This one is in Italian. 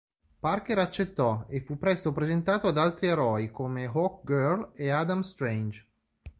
Parker accettò, e fu presto presentato ad altri eroi, come Hawkgirl e Adam Strange.